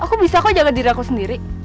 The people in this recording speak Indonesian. aku bisa kok jaga diri aku sendiri